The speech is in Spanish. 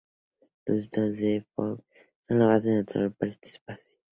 Los estados de Fock son la base natural para este espacio.